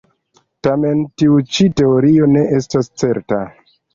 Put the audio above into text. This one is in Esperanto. Tamen tiu ĉi teorio ne estas certa.